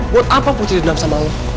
buat apa putri dendam sama lo